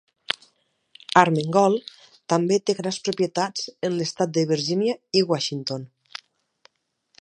Armengol també té grans propietats en l'estat de Virgínia i Washington.